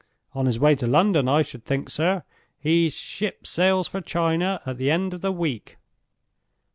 "On his way to London, I should think, sir. His ship sails for China at the end of the week."